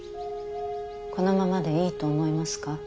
このままでいいと思いますか？